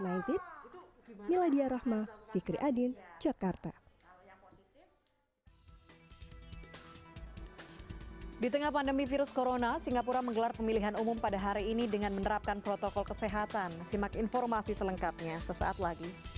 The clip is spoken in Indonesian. miladia rahma fikri adin jakarta